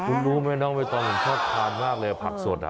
คุณรู้ไหมน้องใบตองผมชอบทานมากเลยผักสด